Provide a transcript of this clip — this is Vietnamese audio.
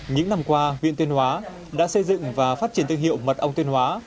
những năm qua huyện tuyên hóa đã xây dựng và phát triển thương hiệu mật ong tuyên hóa